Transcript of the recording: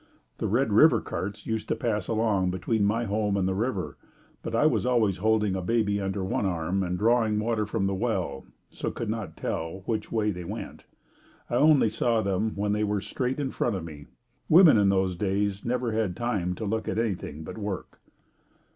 The Red River carts used to pass along between my home and the river, but I was always holding a baby under one arm and drawing water from the well, so could not tell which way they went. I only saw them when they were straight in front of me. Women in those days never had time to look at anything but work.